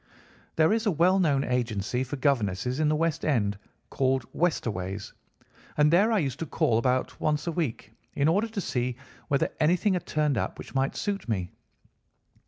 "There is a well known agency for governesses in the West End called Westaway's, and there I used to call about once a week in order to see whether anything had turned up which might suit me.